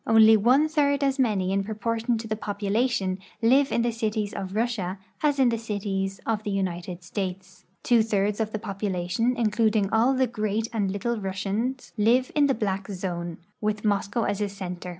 Only one third as many in proportion to population live in the cities of Russia as in the cities of the United States. Two thirds of the population, including all the Great and Little Russians, live in the black zone, with Moscow as a center.